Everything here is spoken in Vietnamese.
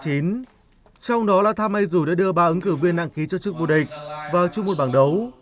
trong đó là tham mây rủi đã đưa ba ứng cử viên nặng khí cho chức vô địch vào chung một bảng đấu